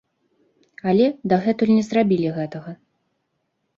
Але дагэтуль не зрабілі гэтага.